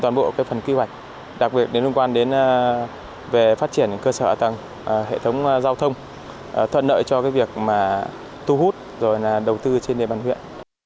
trực ninh đã chủ động quy hoạch và đầu tư trên địa bàn huyện